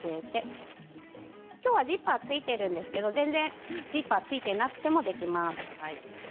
今日はジッパーがついているんですけどジッパーがついていなくてもできます。